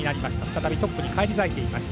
再びトップに返り咲いています。